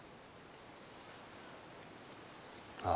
ああ。